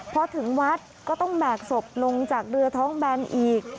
พอถึงวัดก็ต้องแบกศพลงจากเรือท้องแบนอีก